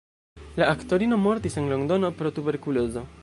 La aktorino mortis en Londono pro tuberkulozo.